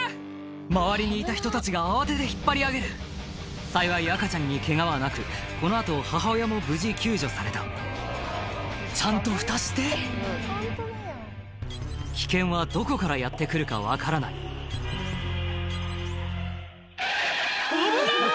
周りにいた人たちが慌てて引っ張り上げる幸い赤ちゃんにケガはなくこの後母親も無事救助されたちゃんとふたして危険はどこからやって来るか分からない危ない！